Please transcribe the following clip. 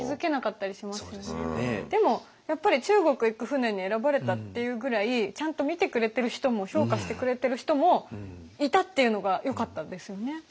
でもやっぱり中国行く船に選ばれたっていうぐらいちゃんと見てくれてる人も評価してくれてる人もいたっていうのがよかったですよね。